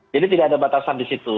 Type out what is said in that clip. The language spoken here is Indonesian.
jadi tidak ada batasan di situ